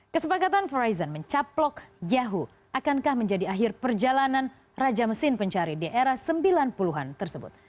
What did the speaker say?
kesepakatan verizon mencaplok yahoo akankah menjadi akhir perjalanan raja mesin pencari di era sembilan puluh an tersebut